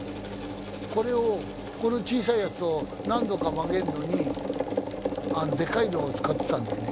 これをこの小さいやつを何度か曲げるのにでかいのを使ってたんだよね。